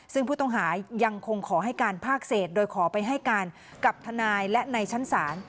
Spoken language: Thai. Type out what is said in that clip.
ซึ่งผู้ต้องหายังคงขอให้การภาคเศษโดยขอไปให้การกับทนายและในชั้นศาล